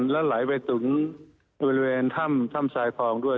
แล้วไหลไปถึงบริเวณถ้ำทรายคลองด้วย